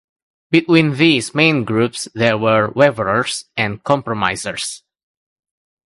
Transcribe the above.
Between these main groups there were waverers and compromisers.